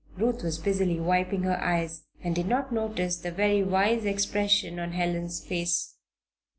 Ruth was busily wiping her eyes and did not notice the very wise expression on Helen's face.